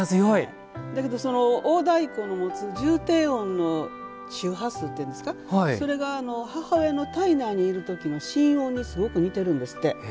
だけど、大太鼓の持つ重低音の周波数というんですかそれが母親の体内にいる時の心音にすごく似ているんですって。